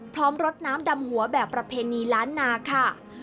รดน้ำดำหัวแบบประเพณีล้านนาค่ะ